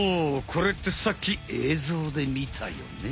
これってさっきえいぞうでみたよね。